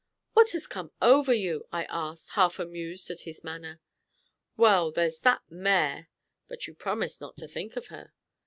"What has come over you?" I asked, half amused at his manner. "Well there's that mare " "But you promised not to think of her."